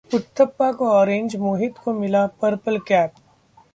उथप्पा को ऑरेंज, मोहित को मिला पर्पल कैप